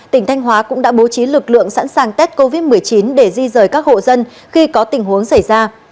tỉnh thanh hóa cũng đã bố trí lực lượng sẵn sàng tết covid một mươi chín để di rời các hộ dân khi có tình huống xảy ra